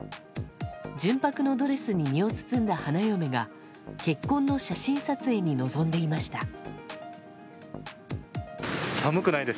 純白のドレスに身を包んだ花嫁が結婚の写真撮影に臨んでいました。